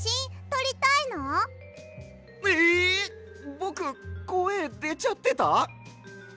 ぼくこえでちゃってた？